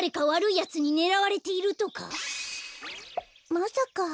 まさか。